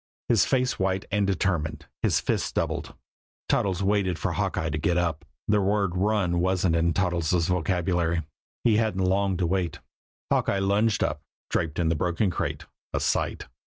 His face white and determined, his fists doubled, Toddles waited for Hawkeye to get up the word "run" wasn't in Toddles' vocabulary. He hadn't long to wait. Hawkeye lunged up, draped in the broken crate a sight.